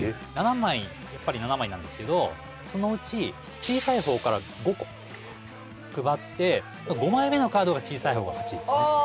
７枚やっぱり７枚なんですけどそのうち小さい方から５個配って５枚目のカードが小さい方が勝ちですね